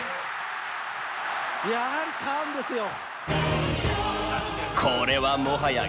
やはりカーンですよ！